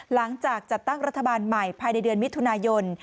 จัดตั้งรัฐบาลใหม่ภายในเดือนมิถุนายน